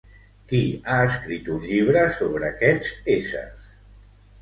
Qui ha escrit un llibre sobre aquests éssers?